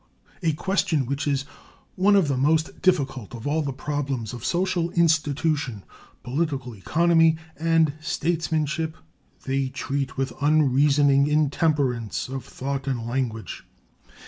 A question which is one of the most difficult of all the problems of social institution, political economy, and statesmanship they treat with unreasoning intemperance of thought and language.